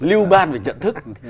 lưu ban và nhận thức